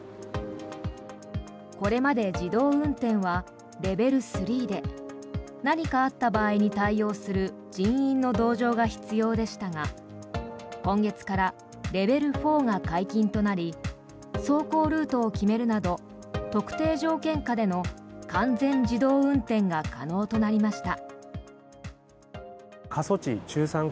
これまで自動運転はレベル３で何かあった場合に対応する人員の同乗が必要でしたが今月からレベル４が解禁となり走行ルートを決めるなど特定条件下での完全自動運転が可能となりました。